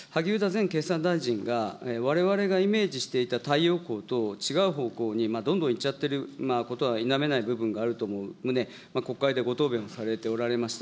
前経産大臣が、われわれがイメージしていた太陽光と違う方向にどんどんいっちゃってることは否めない部分があると思う旨、国会でご答弁をされておられました。